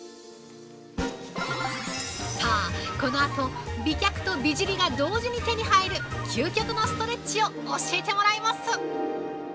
◆このあと、美脚と美尻が同時に手に入る究極のストレッチを教えてもらいます。